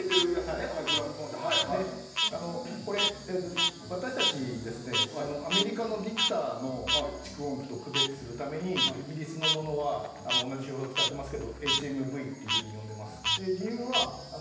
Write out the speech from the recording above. これ、私たちアメリカのビクターの蓄音機と区別するためにイギリスのものは同じ手法を使っていますがＨＭＶと呼んでます。